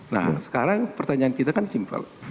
nah sekarang pertanyaan kita kan simpel